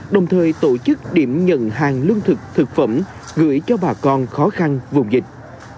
đồng thời tổ chức điểm nhận hàng lương thực thực phẩm gửi cho bà con khó khăn vùng dịch